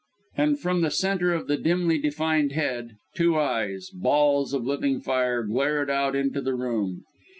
And from the centre of the dimly defined head, two eyes balls of living fire glared out into the room!